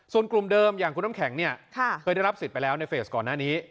ส่วนกลุ่มเดิมอย่างคุณน้ำแข็งเนี่ยเคยได้รับสิทธิ์ไปแล้วในเฟสก่อนหน้านี้